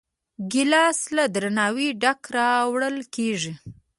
ګیلاس له درناوي ډک راوړل کېږي.